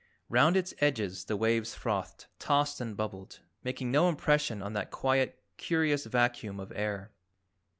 Round its edges the waves frothed, tossed and bubbled, making no impression on that quiet curious vacuum of air.